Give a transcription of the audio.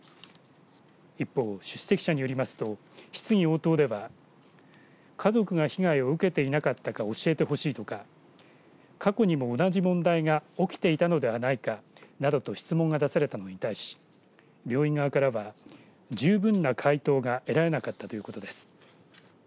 一方出席者のよりますと質疑応答では家族が被害を受けていなかったかを教えてほしいとか過去にも同じ問題が起きていたのではないかなどと質問が出されたのに対し病院側からは十分な回答が得られなかったということです。